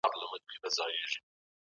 روغتونونه د خلګو د ژوند ژغورلو لپاره دي.